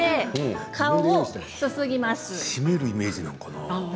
締めるイメージなのかな？